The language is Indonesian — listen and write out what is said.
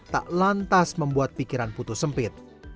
tak lantas membuat pikiran putus sempit